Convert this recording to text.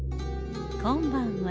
こんばんは。